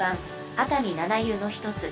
熱海七湯のひとつ。